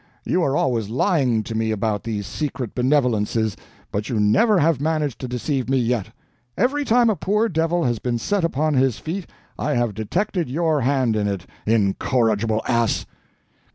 You are always lying to me about these secret benevolences, but you never have managed to deceive me yet. Every time a poor devil has been set upon his feet I have detected your hand in it incorrigible ass!"